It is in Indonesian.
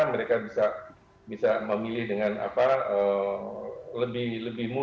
mereka bisa memilih dengan lebih mudah